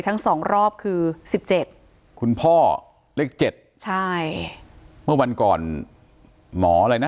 ทั้งสองรอบคือสิบเจ็ดคุณพ่อเลขเจ็ดใช่เมื่อวันก่อนหมออะไรนะ